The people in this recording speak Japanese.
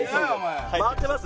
回ってます？